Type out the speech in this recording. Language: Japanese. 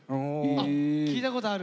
あ聞いたことある。